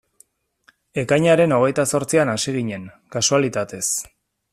Ekainaren hogeita zortzian hasi ginen, kasualitatez.